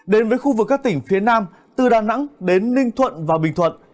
đến với khu vực các tỉnh phía nam từ đà nẵng đến ninh thuận và bình thuận